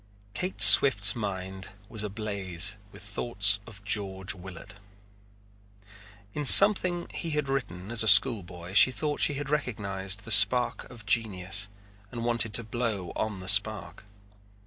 Kate Swift's mind was ablaze with thoughts of George Willard. In something he had written as a school boy she thought she had recognized the spark of genius and wanted to blow on the spark.